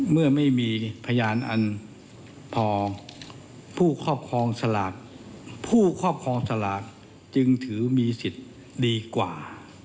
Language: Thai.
เมื่อไม่มีพยานอันพอผู้ครอบครองสลากผู้ครอบครองสลากจึงถือมีสิทธิ์ดีกว่า